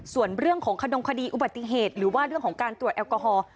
ส่วนเรื่องของขนงคดีอุบัติเหตุหรือว่าเรื่องของการตรวจแอลกอฮอล์